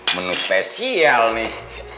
menu spesial nih